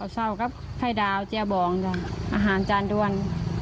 เศร้าครับไข่ดาวเจียบองอาหารจานด้วน